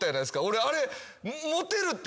俺あれ。